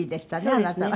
あなたは。